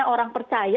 karena orang percaya